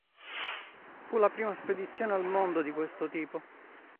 Fu la prima spedizione al mondo di questo tipo.